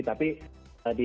tapi di horor itu